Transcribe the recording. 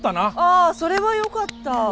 あそれはよかった。